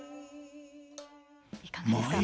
いかがですか？